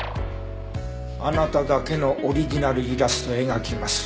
「あなただけのオリジナルイラスト描きます」